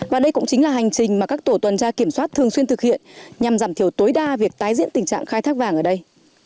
và đây cũng chính là hành trình mà các tổ tuần tra kiểm soát thường xuyên thực hiện nhằm giảm thiểu tối đa việc tái diễn tình trạng khai thác vàng ở đây